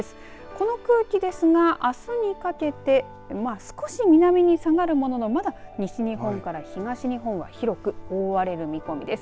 この空気ですが、あすにかけて少し南に下がるもののまだ西日本から東日本は広く覆われる見込みです。